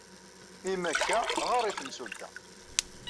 Imi akka, ɣer i temsulta.